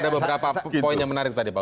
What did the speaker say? ada beberapa poin yang menarik tadi pak